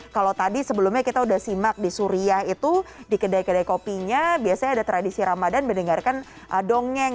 kalau tadi sebelumnya kita sudah simak di suriah itu di kedai kedai kopinya biasanya ada tradisi ramadan mendengarkan dongeng